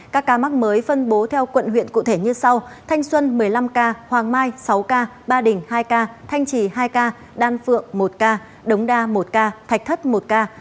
các ca mắc mới phân bố theo quận huyện cụ thể như sau thanh xuân một mươi năm ca hoàng mai sáu ca ba đình hai ca thanh trì hai ca đan phượng một ca đống đa một ca thạch thất một ca